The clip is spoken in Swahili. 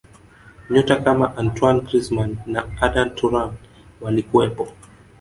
nyota kama antoine grizman na arda turan walikuwepo